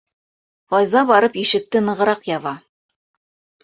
Файза барып ишекте нығыраҡ яба.